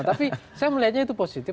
tapi saya melihatnya itu positif